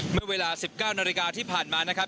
เมื่อเวลา๑๙นาฬิกาที่ผ่านมานะครับ